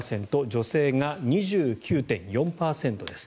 女性が２９．４％です。